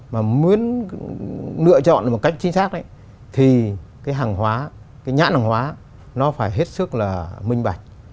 mà muốn lựa chọn một cách chính xác ấy thì cái hàng hóa cái nhãn hàng hóa nó phải hết sức là minh bạch